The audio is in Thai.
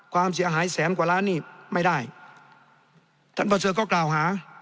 ความเสียหายแสนกว่าล้านนี่ไม่ได้ท่านประเสริฐก็กล่าวหา